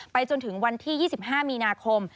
จนถึงวันที่๒๕มีนาคม